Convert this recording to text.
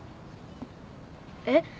えっ？